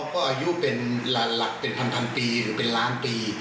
ก็อายุเป็นหลักเป็นพันปีหรือเป็นล้านปี